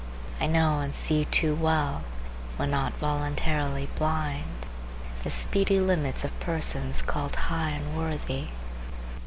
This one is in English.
I know and see too well, when not voluntarily blind, the speedy limits of persons called high and worthy.